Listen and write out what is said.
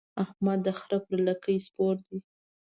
احمد د خره پر لکۍ سپور دی.